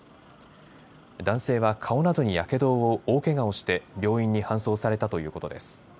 男性は顔などにやけどを負う大けがをして病院に搬送されたということです。